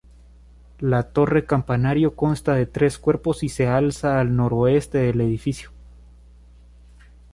La torre-campanario consta de tres cuerpos y se alza al noroeste del edificio.